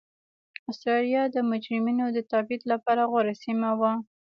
اسټرالیا د مجرمینو د تبعید لپاره غوره سیمه وه.